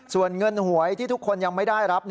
ส่วนเงินหวยที่ทุกคนยังไม่ได้รับ